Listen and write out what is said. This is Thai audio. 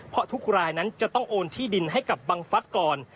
เพราะทุกรายนั้นจะต้องโอนที่ดินให้กับบังฟัฐก่อน